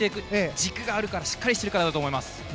軸があるからしっかりしているからだと思います。